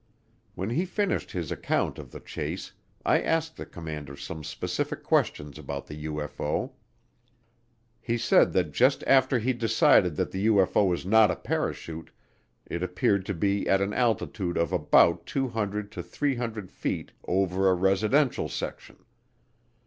When he finished his account of the chase, I asked the commander some specific questions about the UFO. He said that just after he'd decided that the UFO was not a parachute it appeared to be at an altitude of about 200 to 300 feet over a residential section.